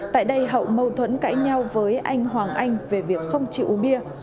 tại đây hậu mâu thuẫn cãi nhau với anh hoàng anh về việc không chịu uống bia